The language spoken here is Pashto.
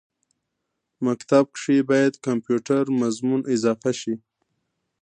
مکتب کښې باید کمپیوټر مضمون اضافه شي